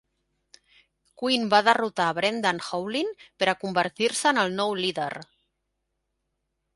Quinn va derrotar a Brendan Howlin per a convertir-se en el nou líder.